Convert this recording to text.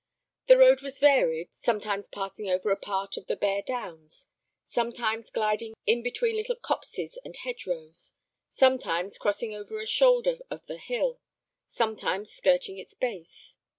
The road was varied, sometimes passing over a part of the bare downs, sometimes gliding in between little copses and hedge rows, sometimes crossing over a shoulder of the hill, sometimes skirting its base.